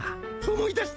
思い出した？